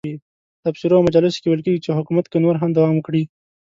په تبصرو او مجالسو کې ویل کېږي چې حکومت که نور هم دوام وکړي.